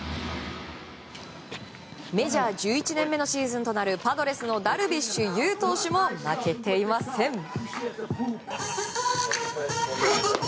メジャー１１年目のシーズンとなるパドレスのダルビッシュ有投手も負けていません。